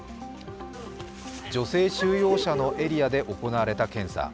女性収容者のエリアで行われた検査。